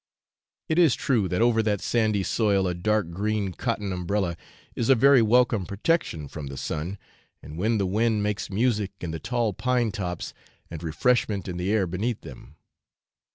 It is true that over that sandy soil a dark green cotton umbrella is a very welcome protection from the sun, and when the wind makes music in the tall pine tops and refreshment in the air beneath them.